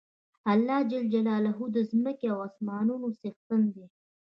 الله ج د ځمکی او اسمانونو څښتن دی